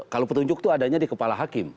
kalau petunjuk itu adanya di kepala hakim